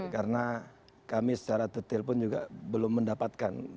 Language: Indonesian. karena kami secara detail pun juga belum mendapatkan